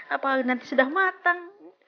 apalagi nanti sudah matang